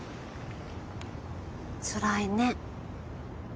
つらいね。